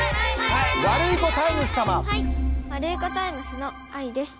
はいワルイコタイムスのあいです。